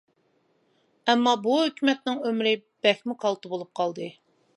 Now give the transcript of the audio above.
ئەمما بۇ ھۆكۈمەتنىڭ ئۆمرى بەكمۇ كالتە بولۇپ قالدى.